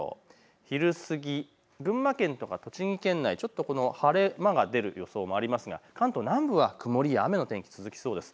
昼過ぎ、群馬県とか栃木県内、晴れ間が出る予想もありますが関東南部は曇りや雨の天気、続きそうです。